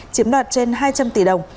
chiếm đoạt trên hai trăm linh tỷ đồng